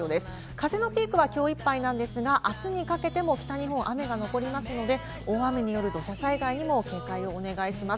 風のピークはきょういっぱいですが、あすにかけても北日本、雨が残りますので、大雨による土砂災害にも警戒をお願いします。